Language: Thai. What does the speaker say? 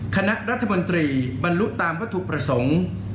คณะรัฐมนตรีบรรลุตามวัตถุประสงค์